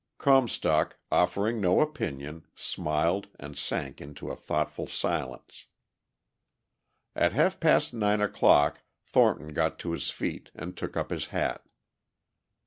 Comstock, offering no opinion, smiled and sank into a thoughtful silence. At half past nine o'clock Thornton got to his feet and took up his hat.